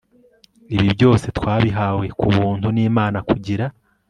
Ibi byose twabihawe ku buntu nImana kugira